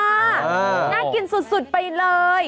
น่ากินสุดไปเลย